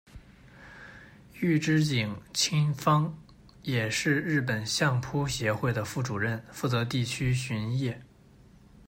玉之井亲方也是日本相扑协会的副主任，负责地区巡业。